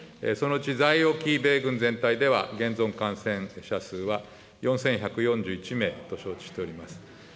そのうち在沖米軍全体では、現存感染者数は４１４１名と承知しております。